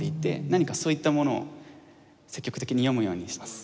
何かそういったものを積極的に読むようにしています。